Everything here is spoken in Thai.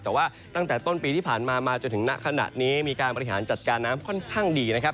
แต่ว่าตั้งแต่ต้นปีที่ผ่านมามาจนถึงณขณะนี้มีการบริหารจัดการน้ำค่อนข้างดีนะครับ